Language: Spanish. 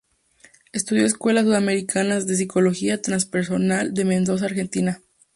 Estudios Escuela Sudamericana de Psicología Trans-personal de Mendoza-Argentina.